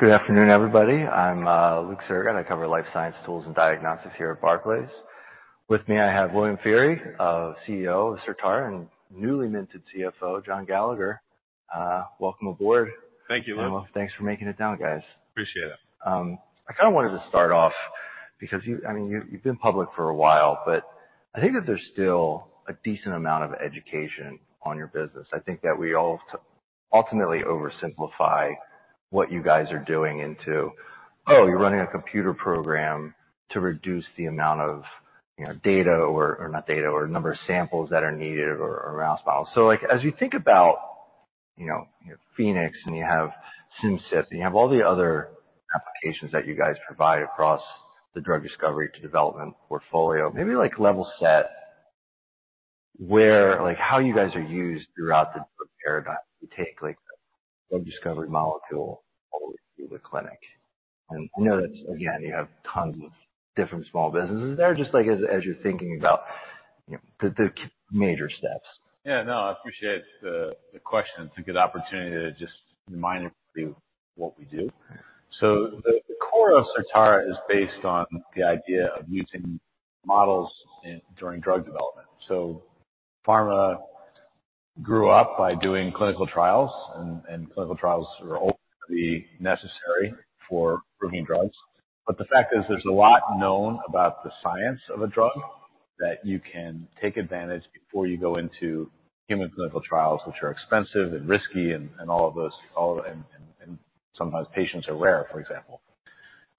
Good afternoon, everybody. I'm Luke Sergott. I cover life science tools and diagnostics here at Barclays. With me, I have William Feehery, CEO of Certara and newly minted CFO John Gallagher. Welcome aboard. Thank you, Luke. Thanks for making it down, guys. Appreciate it. I kinda wanted to start off because you, I mean, you've been public for a while, but I think that there's still a decent amount of education on your business. I think that we all ultimately oversimplify what you guys are doing into, "Oh, you're running a computer program to reduce the amount of, you know, data or, or not data, or number of samples that are needed, or, or mouse models." So, like, as you think about, you know, you know, Phoenix, and you have Simcyp, and you have all the other applications that you guys provide across the drug discovery to development portfolio, maybe, like, level set where, like, how you guys are used throughout the drug paradigm to take, like, drug discovery molecule all the way through the clinic. I know that's, again, you have tons of different small businesses there, just, like, as you're thinking about, you know, the key major steps. Yeah, no, I appreciate the question and it's a good opportunity to just remind everybody what we do. So the core of Certara is based on the idea of using models during drug development. So pharma grew up by doing clinical trials, and clinical trials are always gonna be necessary for proving drugs. But the fact is, there's a lot known about the science of a drug that you can take advantage before you go into human clinical trials, which are expensive and risky, and all of those, and sometimes patients are rare, for example.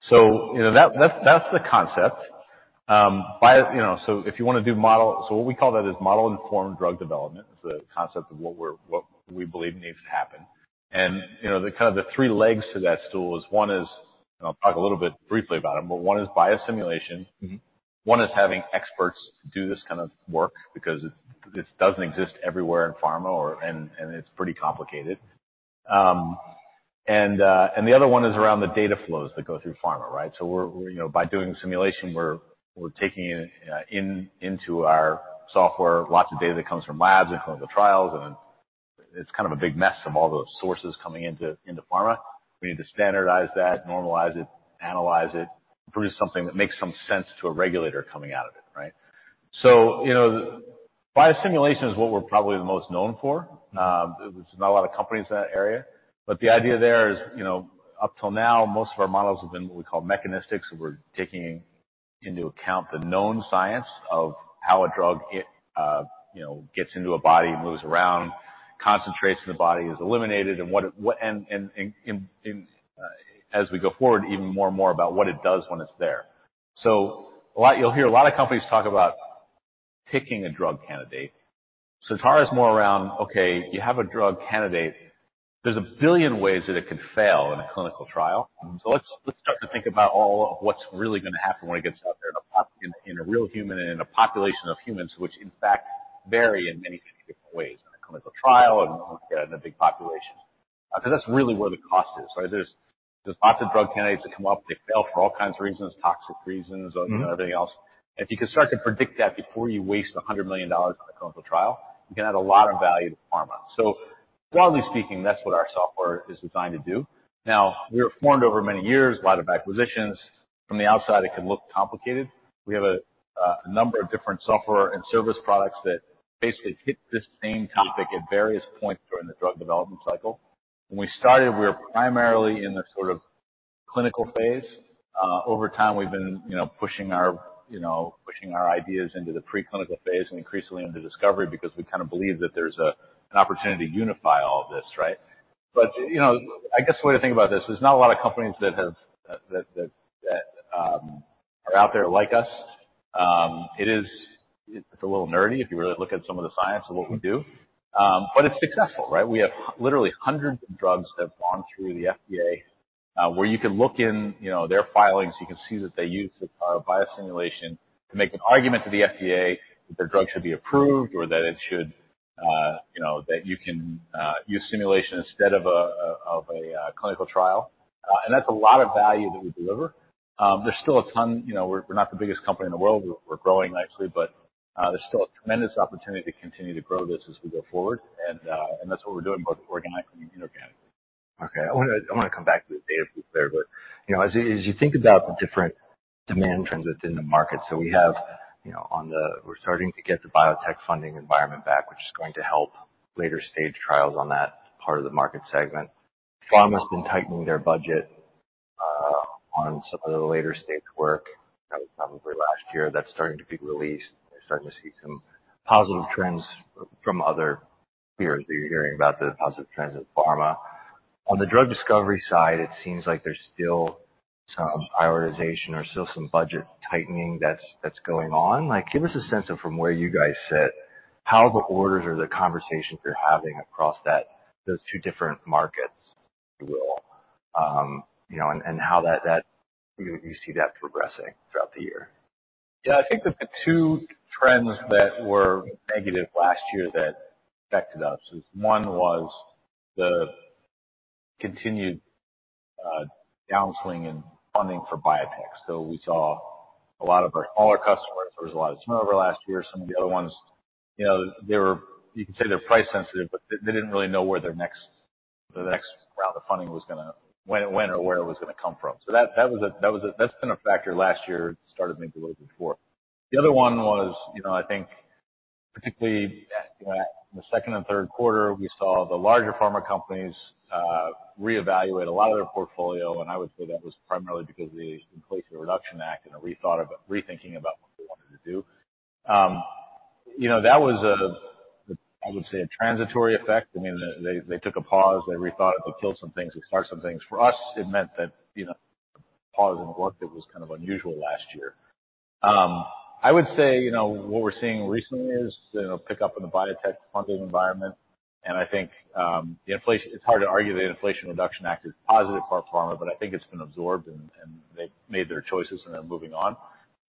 So, you know, that's the concept. By you know, so if you wanna do model, so what we call that is model-informed drug development, the concept of what we believe needs to happen. You know, the kind of the three legs to that stool is one is, and I'll talk a little bit briefly about them, but one is biosimulation. Mm-hmm. One is having experts do this kind of work because it doesn't exist everywhere in pharma, and it's pretty complicated. And the other one is around the data flows that go through pharma, right? So we're, you know, by doing simulation, we're taking into our software lots of data that comes from labs and clinical trials, and then it's kind of a big mess of all those sources coming into pharma. We need to standardize that, normalize it, analyze it, produce something that makes some sense to a regulator coming out of it, right? So, you know, biosimulation is what we're probably the most known for. There's not a lot of companies in that area. But the idea there is, you know, up till now, most of our models have been what we call mechanistics, where we're taking into account the known science of how a drug you know, gets into a body, moves around, concentrates in the body, is eliminated, and what it and, as we go forward, even more and more about what it does when it's there. So a lot you'll hear a lot of companies talk about picking a drug candidate. Certara is more around, "Okay, you have a drug candidate. There's a billion ways that it could fail in a clinical trial. Mm-hmm. So let's, let's start to think about all of what's really gonna happen when it gets out there in a point in, in a real human and in a population of humans, which, in fact, vary in many, many different ways in a clinical trial and when we get in a big population. 'Cause that's really where the cost is, right? There's lots of drug candidates that come up. They fail for all kinds of reasons, toxic reasons, or, you know, everything else. And if you can start to predict that before you waste $100 million on a clinical trial, you can add a lot of value to pharma. So broadly speaking, that's what our software is designed to do. Now, we were formed over many years, a lot of acquisitions. From the outside, it could look complicated. We have a number of different software and service products that basically hit this same topic at various points during the drug development cycle. When we started, we were primarily in the sort of clinical phase. Over time, we've been, you know, pushing our ideas into the preclinical phase and increasingly into discovery because we kinda believe that there's an opportunity to unify all of this, right? But, you know, I guess the way to think about this, there's not a lot of companies that have that are out there like us. It's a little nerdy if you really look at some of the science of what we do, but it's successful, right? We have literally hundreds of drugs that have gone through the FDA, where you can look in, you know, their filings. You can see that they use Certara biosimulation to make an argument to the FDA that their drug should be approved or that it should, you know, that you can use simulation instead of a clinical trial. And that's a lot of value that we deliver. There's still a ton, you know, we're not the biggest company in the world. We're growing, actually. But there's still a tremendous opportunity to continue to grow this as we go forward. And that's what we're doing both organically and inorganically. Okay. I wanna I wanna come back to the data piece there, but you know, as you as you think about the different demand trends within the market, so we have, you know, on the we're starting to get the biotech funding environment back, which is going to help later-stage trials on that part of the market segment. Pharma's been tightening their budget on some of the later-stage work. That was probably last year. That's starting to be released. We're starting to see some positive trends from other peers that you're hearing about the positive trends in pharma. On the drug discovery side, it seems like there's still some prioritization or still some budget tightening that's, that's going on. Like, give us a sense of, from where you guys sit, how the orders or the conversations you're having across those two different markets, if you will, you know, and how that you see that progressing throughout the year. Yeah, I think that the two trends that were negative last year that affected us is one was the continued downswing in funding for biotech. So we saw a lot of our smaller customers. There was a lot of turnover last year. Some of the other ones, you know, they were, you can say, they're price-sensitive, but they didn't really know where their next round of funding was gonna go, or where it was gonna come from. So that was a factor last year. It started maybe a little bit before. The other one was, you know, I think particularly, you know, at the second and third quarter, we saw the larger pharma companies reevaluate a lot of their portfolio. I would say that was primarily because of the Inflation Reduction Act and a rethought of a rethinking about what they wanted to do. You know, that was a the I would say a transitory effect. I mean, they, they, they took a pause. They rethought it. They killed some things. They started some things. For us, it meant that, you know, the pause in work that was kind of unusual last year. I would say, you know, what we're seeing recently is, you know, pickup in the biotech funding environment. And I think, the inflation it's hard to argue that the Inflation Reduction Act is positive for pharma, but I think it's been absorbed, and, and they've made their choices, and they're moving on.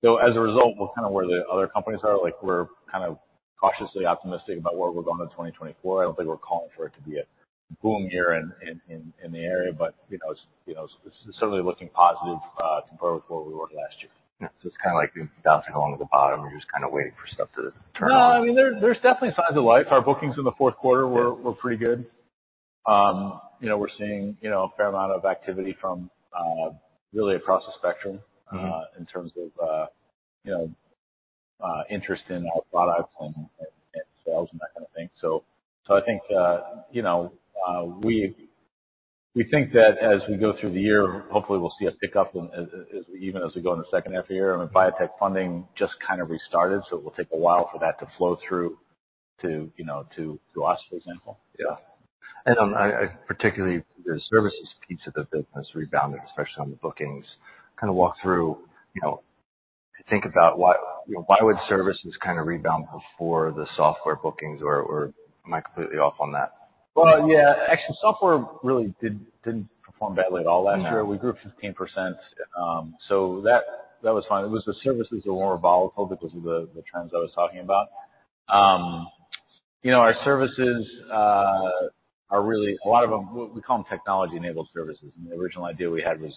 So as a result, we're kinda where the other companies are. Like, we're kinda cautiously optimistic about where we're going in 2024. I don't think we're calling for it to be a boom year in the area, but, you know, it's, you know, it's certainly looking positive, compared with where we were last year. Yeah. So it's kinda like you're bouncing along at the bottom, and you're just kinda waiting for stuff to turn on. No, I mean, there's definitely signs of life. Our bookings in the fourth quarter were pretty good. You know, we're seeing, you know, a fair amount of activity from really across the spectrum. Mm-hmm. In terms of, you know, interest in our products and sales and that kinda thing. So I think, you know, we think that as we go through the year, hopefully, we'll see a pickup in, as we even as we go in the second half of the year. I mean, biotech funding just kinda restarted, so it will take a while for that to flow through to, you know, to us, for example. Yeah. And on I particularly the services piece of the business rebounded, especially on the bookings. Kinda walk through, you know, think about why, you know, why would services kinda rebound before the software bookings or am I completely off on that? Well, yeah. Actually, software really did, didn't perform badly at all last year. Yeah. We grew 15%. So that was fine. It was the services that were more volatile because of the trends I was talking about. You know, our services are really a lot of them we call them technology-enabled services. And the original idea we had was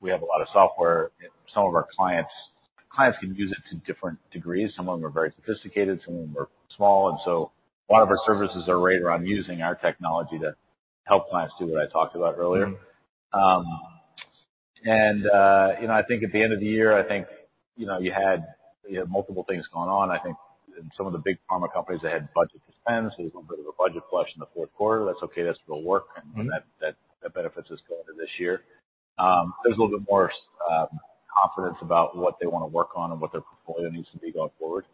we have a lot of software. Some of our clients can use it to different degrees. Some of them are very sophisticated. Some of them are small. And so a lot of our services are right around using our technology to help clients do what I talked about earlier. Mm-hmm. You know, I think at the end of the year, I think, you know, you had multiple things going on. I think in some of the big pharma companies, they had budget to spend. So there's a little bit of a budget flush in the fourth quarter. That's okay. That's real work. Mm-hmm. And that benefits us going into this year. There's a little bit more confidence about what they wanna work on and what their portfolio needs to be going forward.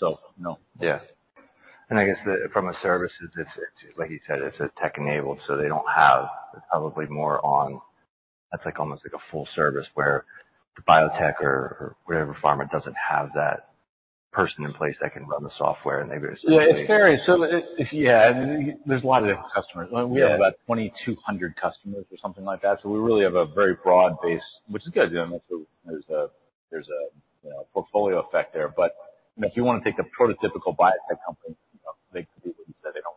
So no. Yeah. And I guess then from a services, it's like you said, it's a tech-enabled, so they don't have it, it's probably more on that. That's like almost like a full service where the biotech or whatever pharma doesn't have that person in place that can run the software, and they basically. Yeah, it's very. So if yeah. And there's a lot of different customers. Mm-hmm. We have about 2,200 customers or something like that. So we really have a very broad base, which is good, you know. And that's what there's a, you know, portfolio effect there. But, you know, if you wanna take the prototypical biotech company, you know, they could be what you said. They don't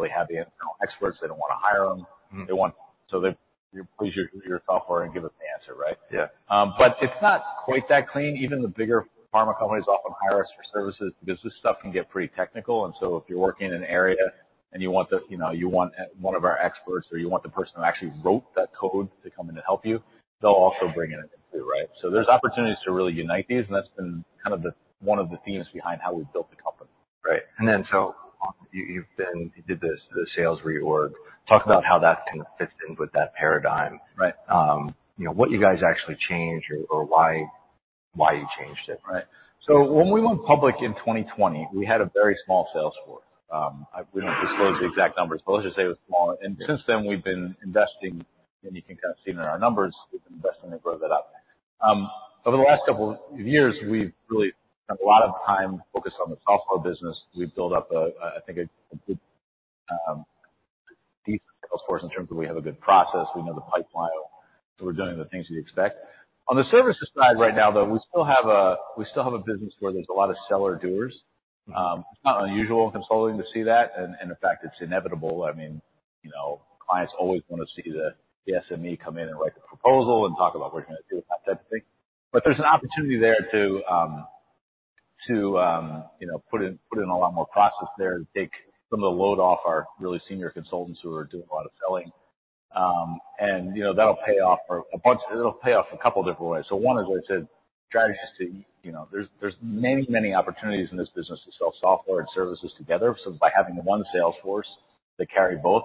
really have the internal experts. They don't wanna hire them. Mm-hmm. They want, so they're—you're—please use your software and give us the answer, right? Yeah. But it's not quite that clean. Even the bigger pharma companies often hire us for services because this stuff can get pretty technical. And so if you're working in an area, and you want, you know, one of our experts, or you want the person who actually wrote that code to come in and help you, they'll also bring it in too, right? So there's opportunities to really unite these, and that's been kind of one of the themes behind how we built the company. Right. And then so on, you did the sales reorg. Talk about how that kinda fits in with that paradigm. Right. You know, what you guys actually changed or, or why, why you changed it. Right. So when we went public in 2020, we had a very small sales force. We don't disclose the exact numbers, but let's just say it was smaller. Since then, we've been investing and you can kinda see it in our numbers. We've been investing to grow that up. Over the last couple of years, we've really spent a lot of time focused on the software business. We've built up, I think, a good, decent sales force in terms of we have a good process. We know the pipeline. So we're doing the things you'd expect. On the services side right now, though, we still have a business where there's a lot of seller-doers. Mm-hmm. It's not unusual in consulting to see that. And in fact, it's inevitable. I mean, you know, clients always wanna see the, the SME come in and write the proposal and talk about what you're gonna do and that type of thing. But there's an opportunity there to, you know, put in a lot more process there to take some of the load off our really senior consultants who are doing a lot of selling. And, you know, that'll pay off for a bunch; it'll pay off a couple different ways. So one is, as I said, strategies to you know, there's many, many opportunities in this business to sell software and services together. So by having the one sales force that carry both,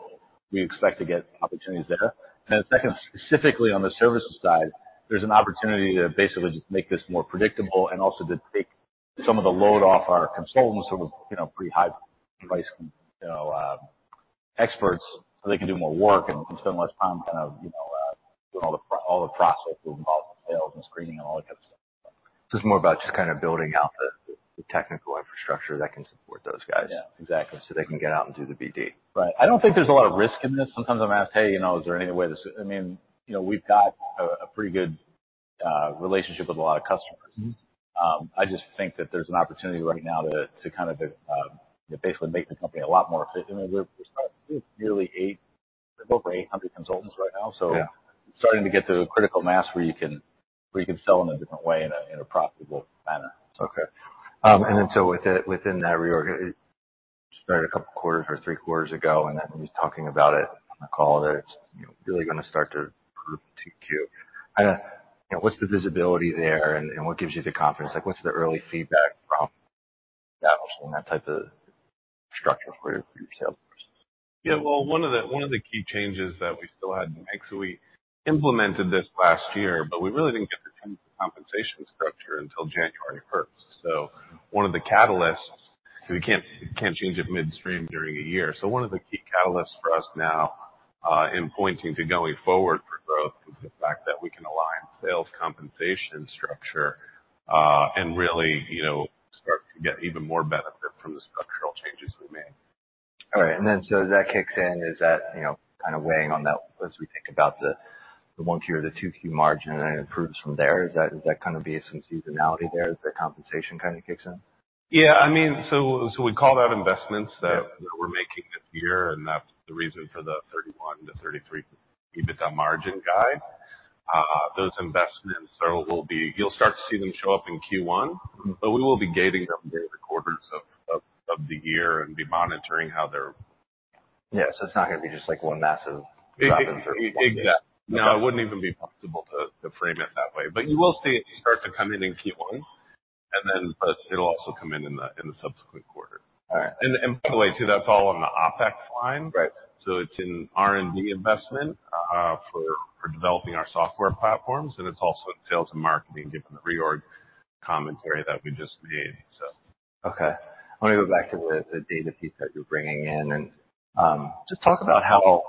we expect to get opportunities there. The second, specifically on the services side, there's an opportunity to basically just make this more predictable and also to take some of the load off our consultants who are, you know, pretty high-priced, you know, experts so they can do more work and spend less time kind of, you know, doing all the process involved in sales and screening and all that kinda stuff. So it's more about just kinda building out the technical infrastructure that can support those guys. Yeah, exactly. So they can get out and do the BD. Right. I don't think there's a lot of risk in this. Sometimes I'm asked, "Hey, you know, is there any way this" I mean, you know, we've got a pretty good relationship with a lot of customers. Mm-hmm. I just think that there's an opportunity right now to kind of, you know, basically make the company a lot more efficient. I mean, we're starting to do nearly 800. We have over 800 consultants right now, so. Yeah. We're starting to get to a critical mass where you can sell in a different way in a profitable manner, so. Okay, and then, so with it within that reorg you started two or three quarters ago, and then when you were talking about it on the call that it's, you know, really gonna start to prove too cute. Kinda, you know, what's the visibility there, and what gives you the confidence? Like, what's the early feedback from establishing that type of structure for your sales force? Yeah, well, one of the key changes that we still had actually, we implemented this last year, but we really didn't get the kind of compensation structure until January 1st. So one of the catalysts 'cause we can't change it midstream during a year. So one of the key catalysts for us now, in pointing to going forward for growth is the fact that we can align sales compensation structure, and really, you know, start to get even more benefit from the structural changes we made. All right. And then so as that kicks in, is that, you know, kinda weighing on that as we think about the, the 1Q or the 2Q margin, and it improves from there? Is that kinda be some seasonality there as the compensation kinda kicks in? Yeah, I mean, so we called out investments that. Yeah. That we're making this year, and that's the reason for the 31%-33% EBITDA margin guide. Those investments will be; you'll start to see them show up in Q1. Mm-hmm. We will be gating them during the quarters of the year and be monitoring how they're. Yeah. So it's not gonna be just, like, one massive drop in 31 days. Exactly. No, it wouldn't even be possible to frame it that way. But you will see it start to come in Q1, and then but it'll also come in the subsequent quarter. All right. And by the way, too, that's all on the OpEx line. Right. So it's in R&D investment for developing our software platforms. And it's also in sales and marketing given the reorg commentary that we just made, so. Okay. I wanna go back to the data piece that you're bringing in. And just talk about how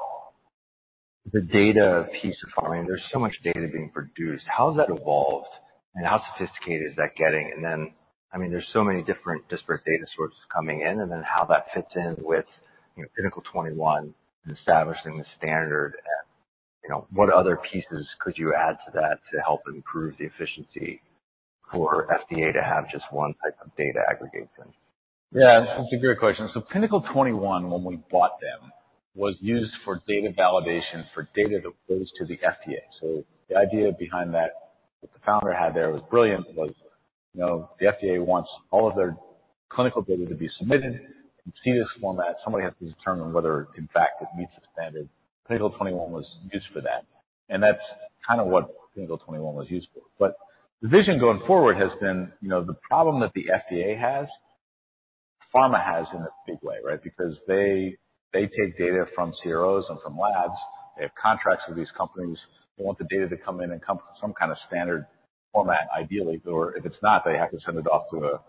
the data piece, I mean, there's so much data being produced. How has that evolved, and how sophisticated is that getting? And then, I mean, there's so many different disparate data sources coming in, and then how that fits in with, you know, Pinnacle 21 and establishing the standard. And, you know, what other pieces could you add to that to help improve the efficiency for FDA to have just one type of data aggregation? Yeah, that's a great question. So Pinnacle 21, when we bought them, was used for data validation for data that goes to the FDA. So the idea behind that that the founder had there was brilliant was, you know, the FDA wants all of their clinical data to be submitted in CDISC format. Somebody has to determine whether, in fact, it meets the standard. Pinnacle 21 was used for that. And that's kinda what Pinnacle 21 was used for. But the vision going forward has been, you know, the problem that the FDA has, pharma has in a big way, right, because they, they take data from CROs and from labs. They have contracts with these companies. They want the data to come in and come from some kinda standard format, ideally. Or if it's not, they have to send it off to a,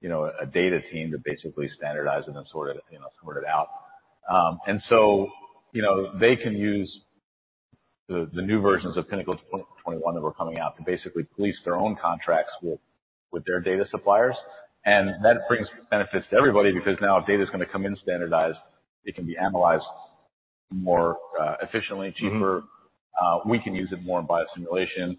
you know, a data team to basically standardize it and sort it, you know, sort it out. And so, you know, they can use the, the new versions of Pinnacle 21 that were coming out to basically police their own contracts with, with their data suppliers. And that brings benefits to everybody because now if data's gonna come in standardized, it can be analyzed more efficiently, cheaper. Mm-hmm. We can use it more in biosimulation.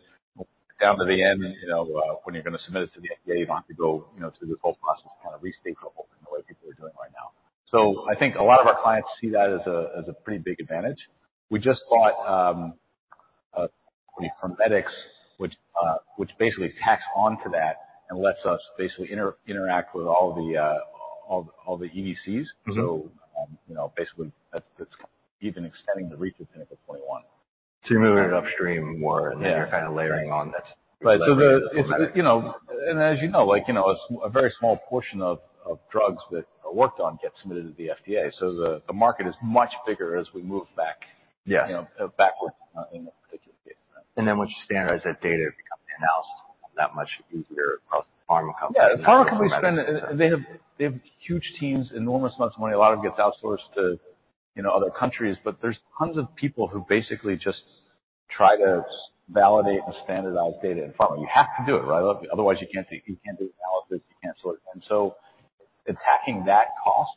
Down to the end, you know, when you're gonna submit it to the FDA, you don't have to go, you know, through this whole process to kinda restage the whole thing the way people are doing right now. So I think a lot of our clients see that as a pretty big advantage. We just bought a company, Formedix, which basically tacks onto that and lets us basically interact with all the EDCs. Mm-hmm. You know, basically, that's even extending the reach of Pinnacle 21. You're moving it upstream more, and then you're kinda layering on. That's really helpful. Right. So it's, you know, and as you know, like, you know, as a very small portion of drugs that are worked on get submitted to the FDA. So the market is much bigger as we move back. Yeah. You know, backwards, in this particular case, right? Once you standardize that data, it becomes the analysis that much easier across the pharma companies. Yeah. The pharma companies spend. They have huge teams, enormous amounts of money. A lot of it gets outsourced to, you know, other countries. But there's tons of people who basically just try to validate and standardize data in pharma. You have to do it, right? Otherwise, you can't do analysis. You can't sort it. And so attacking that cost,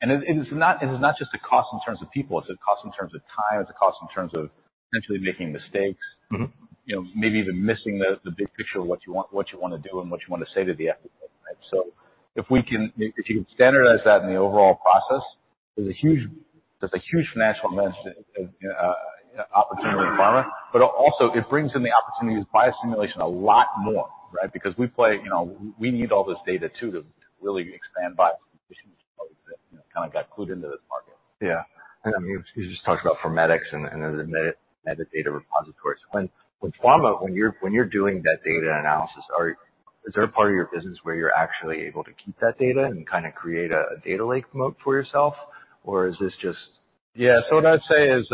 and it is not just a cost in terms of people. It's a cost in terms of time. It's a cost in terms of potentially making mistakes. Mm-hmm. You know, maybe even missing the big picture of what you want what you wanna do and what you wanna say to the FDA, right? So if you can standardize that in the overall process, there's a huge financial advantage to opportunity in pharma. But also, it brings in the opportunities of biosimulation a lot more, right, because we play you know, we need all this data too to really expand biosimulation to the levels that, you know, kinda got clued into this market. Yeah. And, I mean, you just talked about from Formedix and then the Medidata repositories. When pharma, when you're doing that data analysis, is there a part of your business where you're actually able to keep that data and kinda create a data lake moat for yourself? Or is this just? Yeah. So what I'd say is,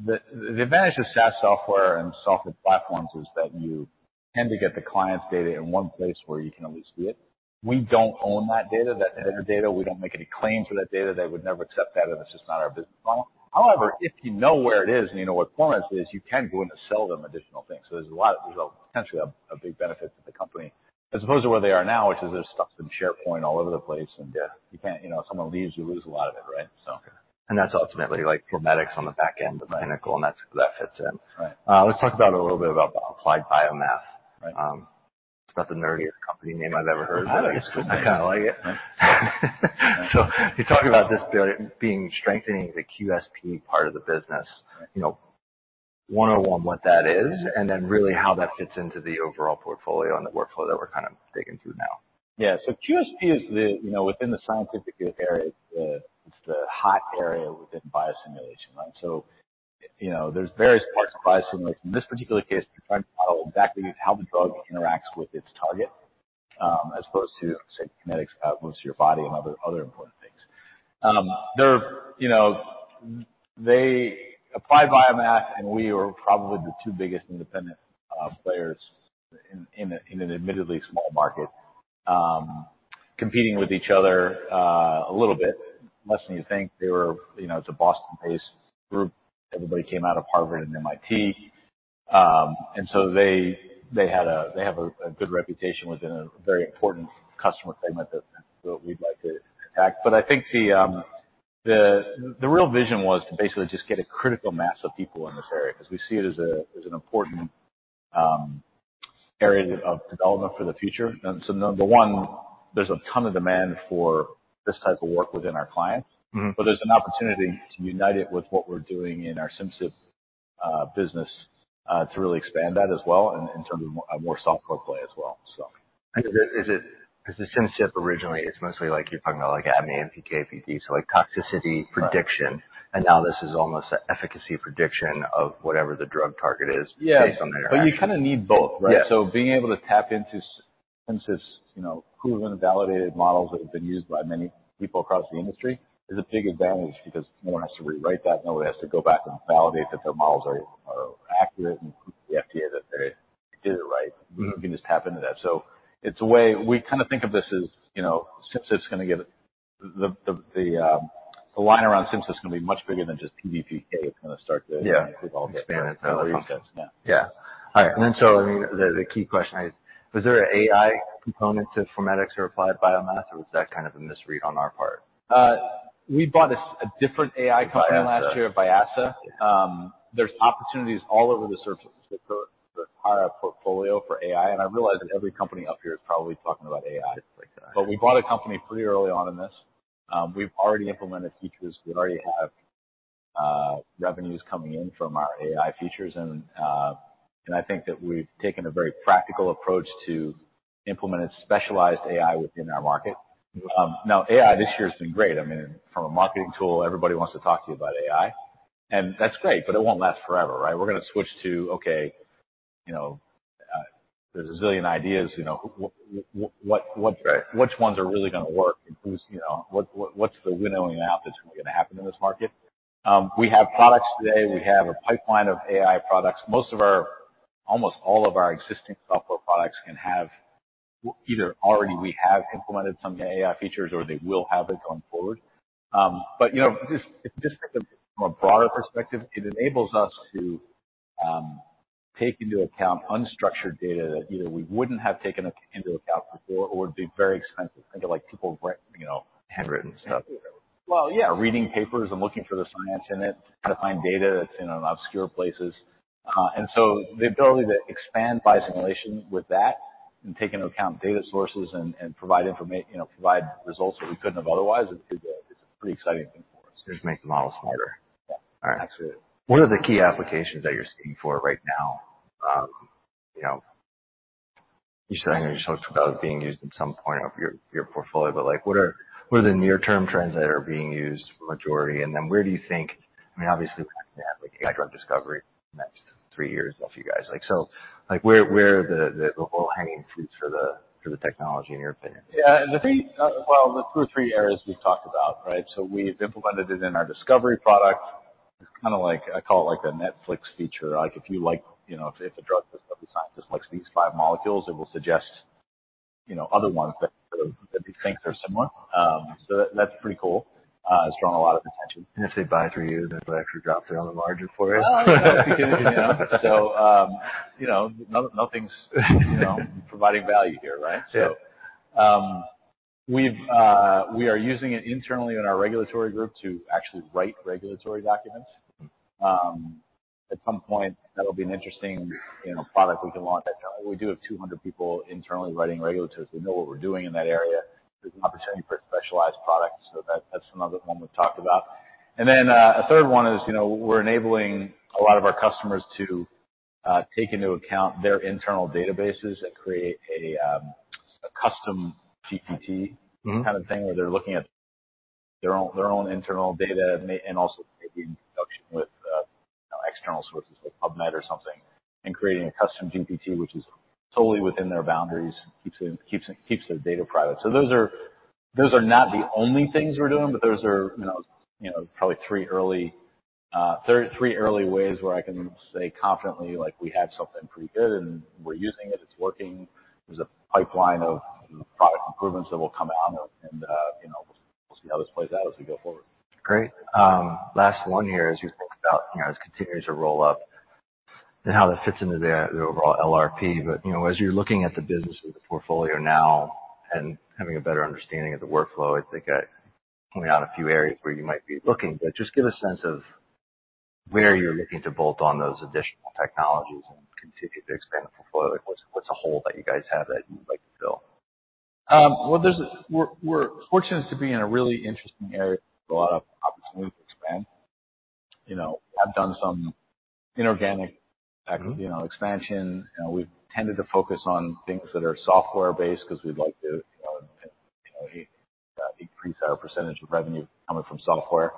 the advantage of SaaS software and software platforms is that you tend to get the client's data in one place where you can at least see it. We don't own that data, that data. We don't make any claims for that data. They would never accept that if it's just not our business model. However, if you know where it is and you know what performance it is, you can go in and sell them additional things. So there's a potentially a, a big benefit to the company as opposed to where they are now, which is there's stuff in SharePoint all over the place. And, you can't, you know, if someone leaves, you lose a lot of it, right, so. Okay. And that's ultimately, like, from Medidata on the back end of Pinnacle, and that's that fits in. Right. Let's talk about a little bit about the Applied BioMath. Right. It's not the nerdiest company name I've ever heard. I like it. I kinda like it. So you talk about this bearing being strengthening the QSP part of the business. Right. You know, 101 what that is, and then really how that fits into the overall portfolio and the workflow that we're kinda digging through now. Yeah. So QSP is, you know, within the scientific area, it's the hot area within biosimulation, right? So, you know, there's various parts of biosimulation. In this particular case, we're trying to model exactly how the drug interacts with its target, as opposed to, say, genetics moves through your body and other important things. There are, you know, Applied BioMath and we are probably the two biggest independent players in an admittedly small market, competing with each other a little bit less than you'd think. They were, you know, a Boston-based group. Everybody came out of Harvard and MIT, and so they have a good reputation within a very important customer segment that we'd like to attack. But I think the real vision was to basically just get a critical mass of people in this area 'cause we see it as an important area of development for the future. Number one, there's a ton of demand for this type of work within our clients. Mm-hmm. But there's an opportunity to unite it with what we're doing in our Simcyp business to really expand that as well in terms of more software play as well, so. Is it 'cause the Simcyp originally, it's mostly like you're talking about, like, ADME, PK, PD, so, like, toxicity prediction? Right. Now this is almost an efficacy prediction of whatever the drug target is based on that area. Yeah. But you kinda need both, right? Yeah. So being able to tap into Simcyp's, you know, proven validated models that have been used by many people across the industry is a big advantage because no one has to rewrite that. Nobody has to go back and validate that their models are accurate and prove to the FDA that they did it right. Mm-hmm. You can just tap into that. So it's a way we kinda think of this as, you know, Simcyp's gonna get the line around Simcyp's gonna be much bigger than just PBPK. It's gonna start to. Yeah. Include all the other concepts. Yeah. All right. So, I mean, the key question is, was there an AI component to Formedix or Applied BioMath, or was that kind of a misread on our part? We bought a SaaS, a different AI company last year. okay. Vyasa. There's opportunities all over the surface. It's a higher-up portfolio for AI. And I realize that every company up here is probably talking about AI. It's like, But we bought a company pretty early on in this. We've already implemented features. We already have revenues coming in from our AI features. And, and I think that we've taken a very practical approach to implementing specialized AI within our market. Mm-hmm. Now, AI this year has been great. I mean, from a marketing tool, everybody wants to talk to you about AI. And that's great, but it won't last forever, right? We're gonna switch to, okay, you know, there's a zillion ideas. You know, what ones are really gonna work, and who's, you know, what, what's the winnowing out that's really gonna happen in this market? We have products today. We have a pipeline of AI products. Most of our almost all of our existing software products can have either already we have implemented some AI features, or they will have it going forward. But, you know, just if you just think of it from a broader perspective, it enables us to take into account unstructured data that either we wouldn't have taken into account before or would be very expensive. Think of, like, people re you know. Handwritten stuff. Well, yeah. Reading papers and looking for the science in it, trying to find data that's in obscure places. And so the ability to expand biosimulation with that and take into account data sources and provide inform you know, provide results that we couldn't have otherwise is a pretty exciting thing for us. Just make the model smarter. Yeah. All right. Absolutely. What are the key applications that you're seeing for right now? You know, you said I know you talked about it being used at some point of your, your portfolio, but, like, what are the near-term trends that are being used for majority? And then where do you think I mean, obviously, we're gonna have, like, AI drug discovery in the next three years off you guys. Like, so, like, where are the low-hanging fruits for the technology in your opinion? Yeah. The three well, the two or three areas we've talked about, right? So we've implemented it in our discovery product. It's kinda like I call it, like, a Netflix feature. Like, if you like you know, if a drug discovery scientist likes these five molecules, it will suggest, you know, other ones that he thinks are similar. So that's pretty cool. It's drawn a lot of attention. If they buy it through you, there's an extra drop there on the margin for it. Oh, I hope you're kidding me, you know. So, you know, nothing's, you know, providing value here, right? Yeah. So, we are using it internally in our regulatory group to actually write regulatory documents. Mm-hmm. At some point, that'll be an interesting, you know, product we can launch internally. We do have 200 people internally writing regulators. They know what we're doing in that area. There's an opportunity for specialized products, so that's another one we've talked about. And then, a third one is, you know, we're enabling a lot of our customers to take into account their internal databases and create a custom GPT. Mm-hmm. Kind of thing where they're looking at their own internal data and also maybe in production with, you know, external sources like PubMed or something and creating a custom GPT, which is totally within their boundaries, keeps their data private. So those are not the only things we're doing, but those are, you know, probably three early ways where I can say confidently, like, we have something pretty good, and we're using it. It's working. There's a pipeline of product improvements that will come out, and, you know, we'll see how this plays out as we go forward. Great. Last one here as you think about, you know, Certara continues to roll up and how that fits into the overall LRP. But, you know, as you're looking at the business of the portfolio now and having a better understanding of the workflow, I think I pointed out a few areas where you might be looking. But just give a sense of where you're looking to bolt on those additional technologies and continue to expand the portfolio. Like, what's a hole that you guys have that you'd like to fill? Well, we're fortunate to be in a really interesting area with a lot of opportunity to expand. You know, we have done some inorganic expansion. You know, we've tended to focus on things that are software-based 'cause we'd like to, you know, you know, increase our percentage of revenue coming from software.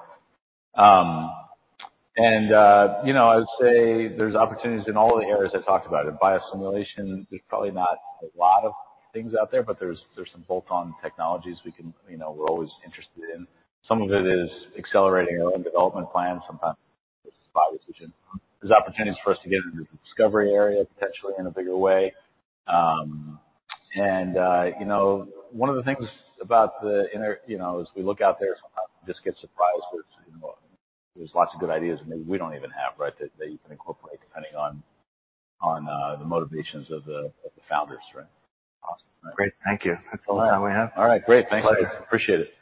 You know, I would say there's opportunities in all the areas I talked about. In biosimulation, there's probably not a lot of things out there, but there's some bolt-on technologies we can, you know, we're always interested in. Some of it is accelerating our own development plans. Sometimes it's by decision. There's opportunities for us to get into the discovery area potentially in a bigger way. You know, one of the things about the industry, you know, as we look out there, sometimes we just get surprised with, you know, there's lots of good ideas that maybe we don't even have, right, that you can incorporate depending on the motivations of the founders, right? Awesome. Great. Thank you. That's all the time we have. All right. Great. Thanks. It's a pleasure. Appreciate it.